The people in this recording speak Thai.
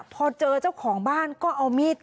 พอเจอเจ้าของบ้านก็เอามีด